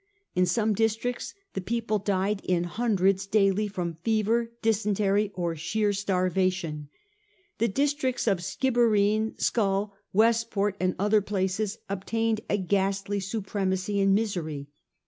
In some districts the people died in hundreds daily from fever, dysentery, or sheer starvation. The dis tricts of Skibbereen, Skull, Westport and other places obtained a ghastly supremacy in misery.